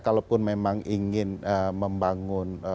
saya ingin membangun